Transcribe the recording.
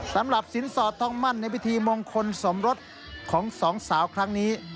สำหรับสินสอดทองมั่นในพิธีมงคลสมรสของสองสาวครั้งนี้